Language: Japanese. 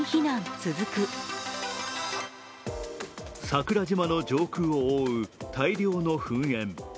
桜島の上空を覆う大量の噴煙。